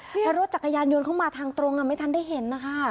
เพราะรถจักรยานยนต์เข้ามาทางตรงไม่ทันได้เห็นนะคะ